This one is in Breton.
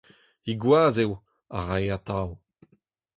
He gwaz eo a rae atav.